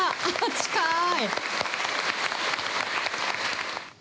近い。